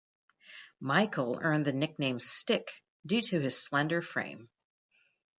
Michael earned the nickname "Stick" due to his slender frame.